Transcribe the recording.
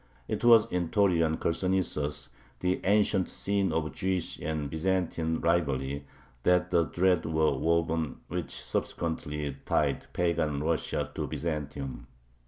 It was in Taurian Chersonesus, the ancient scene of Jewish and Byzantine rivalry, that the threads were woven which subsequently tied pagan Russia to Byzantium.